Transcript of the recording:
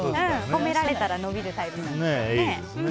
褒められたら伸びるタイプなんですね。